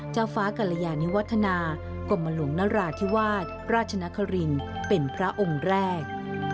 เจ้าฟ้ากรยานิวัฒนากรมหลวงนราธิวาสราชนครินเป็นพระองค์แรก